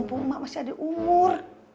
mumpung emak masih ada umur